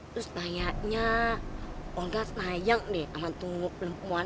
terus kayaknya olga sayang deh sama tumpu perempuan